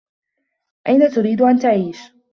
أين تريد أن تعيش؟